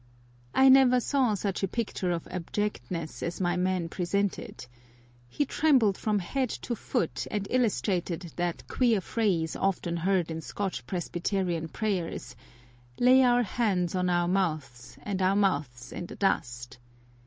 I never saw such a picture of abjectness as my man presented. He trembled from head to foot, and illustrated that queer phrase often heard in Scotch Presbyterian prayers, "Lay our hands on our mouths and our mouths in the dust."